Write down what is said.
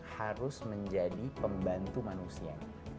harus menjadi pembantu manusia